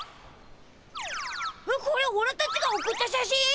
これおらたちが送った写真！